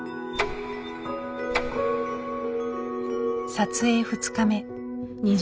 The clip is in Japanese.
撮影２日目。